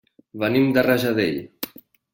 Venim de Rajadell.